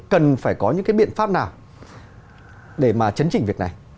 cần phải có những cái biện pháp nào để mà chấn chỉnh việc này